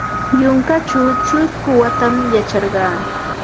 Yunkaćhaw ćhusku watam yacharqa.